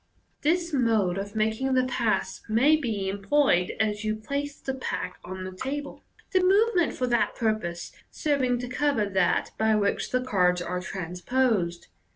This mode of making the pass may be employed as you place the pack on the table, the move ment for that purpose serv ing to cover that by which the cards are transposed.